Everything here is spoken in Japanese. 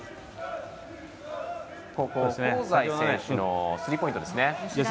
香西選手のスリーポイントですね。